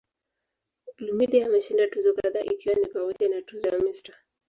Olumide ameshinda tuzo kadhaa ikiwa ni pamoja na tuzo ya "Mr.